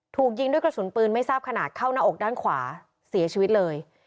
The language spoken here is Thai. ถูกยิงด้วยกระสุนปืนไม่ทราบขนาดเข้าหน้าอกด้านขวาเสียชีวิตเลย